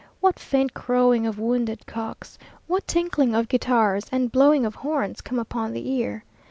What faint crowing of wounded cocks! What tinkling of guitars and blowing of horns come upon the ear!